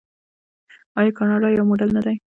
آیا کاناډا یو موډل نه دی؟